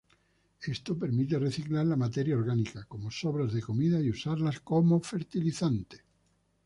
Esto permite reciclar la materia orgánica, como sobras de comida y usarlas como fertilizante.